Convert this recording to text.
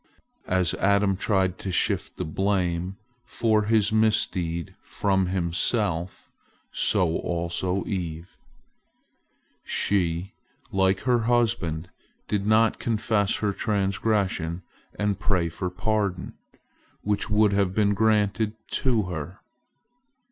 As Adam tried to shift the blame for his misdeed from himself, so also Eve. She, like her husband, did not confess her transgression and pray for pardon, which would have been granted to her.